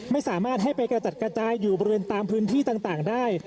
ไม่สามารถให้ไปกระจัดกระจายอยู่บริเวณตามพื้นที่ต่างได้